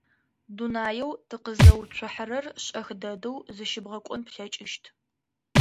Дунаеу тыкъэзыуцухьэрэр шӏэх дэдэу зэщыбгъэкъон плъэкӏыщт.